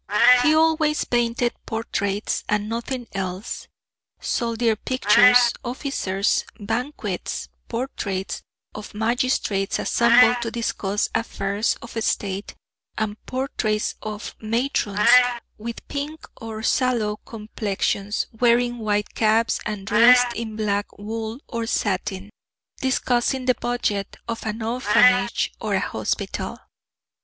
He always painted portraits and nothing else soldier pictures, officers' banquets, portraits of magistrates assembled to discuss affairs of State, and portraits of matrons with pink or sallow complexions, wearing white caps and dressed in black wool or satin, discussing the budget of an orphanage or a hospital.